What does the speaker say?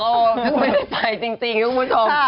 ไม่ได้ไปจริงนะคุณผู้ชม